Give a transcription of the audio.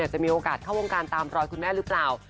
จะมีโอกาสเข้าวงการตามรอยคุณแม่หรือเปล่า